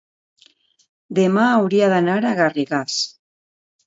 demà hauria d'anar a Garrigàs.